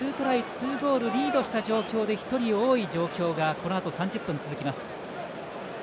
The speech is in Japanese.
２ゴールリードした状況で１人多い状況がこのあと３０分、続きます。